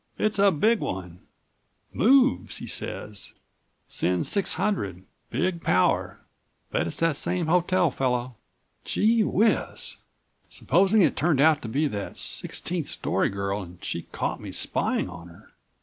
"It's a big one. Moves, he says. Sends 600; big power. Bet it's that same hotel fellow. Gee whiz! Supposing it turned out to be that sixteenth story girl and she caught me spying on her.